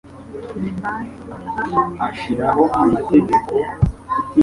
Ni band yaririmbye Britney Spears